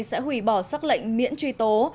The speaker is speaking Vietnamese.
sẽ hủy bỏ sắc lệnh miễn truy tố